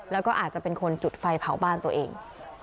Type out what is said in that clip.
แล้วก็อาจจะเป็นคนจุดไฟเผาบ้านตัวเอง